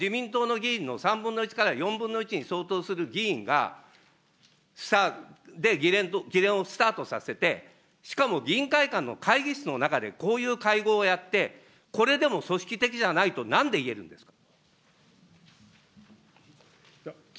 こういう会合を、これだけの自民党の議員の３分の１から４分の１に相当する議員が、スタート、議連をスタートさせて、しかも議員会館の会議室の中で、こういう会合をやって、これでも組織的じゃないとなんでいえるんですか。